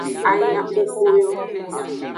Ayaxoxo yo.